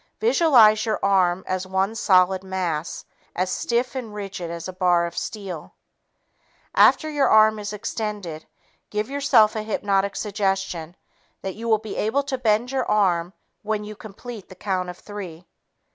Visualize your arm as one solid mass, as stiff and rigid as a bar of steel. After your arm is extended, give yourself a hypnotic suggestion that you will be unable to bend your arm when you complete the count of three.